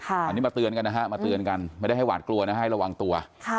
อันนี้มาเตือนกันนะฮะมาเตือนกันไม่ได้ให้หวาดกลัวนะฮะให้ระวังตัว